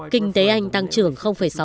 kinh tế anh tăng trưởng sáu